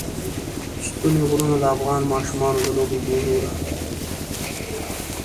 ستوني غرونه د افغان ماشومانو د لوبو موضوع ده.